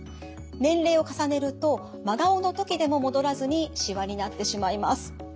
年齢を重ねると真顔の時でも戻らずにしわになってしまいます。